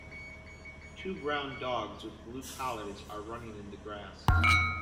Two brown dogs with blue collars are running in the grass